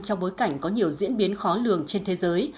trong bối cảnh có nhiều diễn biến khó lường trên thế giới